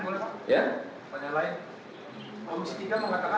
ini pak yang general yang diperkirakan